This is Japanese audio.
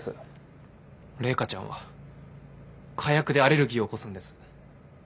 麗華ちゃんは火薬でアレルギーを起こすんです。